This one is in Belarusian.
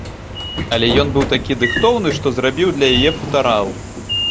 Але ён быў такі дыхтоўны, што зрабіў для яе футарал.